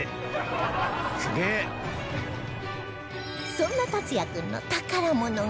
そんな達哉君の宝物が